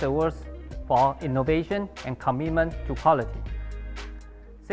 untuk inovasi dan komitmen untuk kualitas